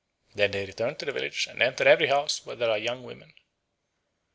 Then they return to the village and enter every house where there are young women.